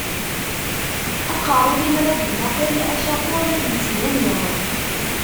Aqerru limer ad d-inaqel, acaqur la t-yettgani.